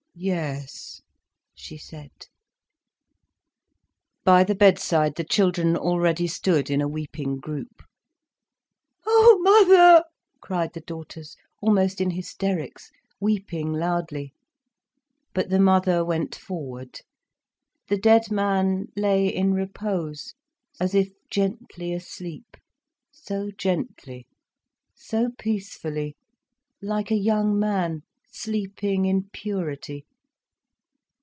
"Yes," she said By the bedside the children already stood in a weeping group. "Oh, mother!" cried the daughters, almost in hysterics, weeping loudly. But the mother went forward. The dead man lay in repose, as if gently asleep, so gently, so peacefully, like a young man sleeping in purity.